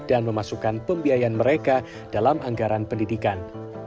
dan memasukkan pembiayaan mereka dalam anggaran pendidikan